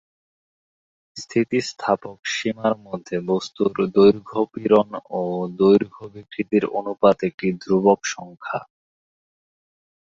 স্থিতিস্থাপক সীমার মধ্যে বস্তুর দৈর্ঘ্য পীড়ন ও দৈর্ঘ্য বিকৃতির অনুপাত একটি ধ্রুবক সংখ্যা।